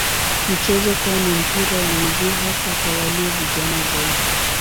Michezo kwao ni mpira wa miguu hasa kwa walio vijana zaidi.